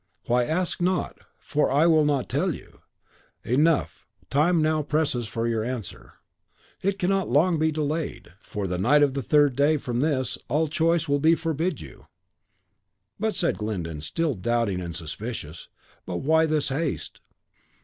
Why, ask not, for I will not tell you. Enough! Time presses now for your answer; it cannot long be delayed. Before the night of the third day from this, all choice will be forbid you!" "But," said Glyndon, still doubting and suspicious, "but why this haste?"